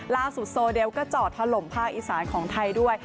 ล่าสุดโซเดลก็จอดทะลมภาคอีสานของไทยด้วย